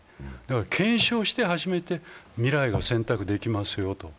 検証して初めて未来が選択できますよと。